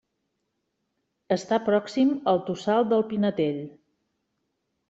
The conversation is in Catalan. Està pròxim al Tossal del Pinetell.